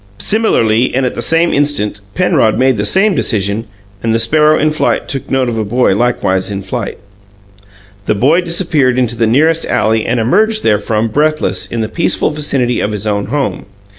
Similarly, and at the same instant, Penrod made the same decision, and the sparrow in flight took note of a boy likewise in flight. The boy disappeared into the nearest alley and emerged therefrom, breathless, in the peaceful vicinity of his own home.